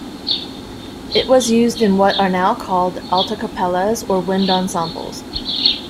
It was used in what are now called alta capellas or wind ensembles.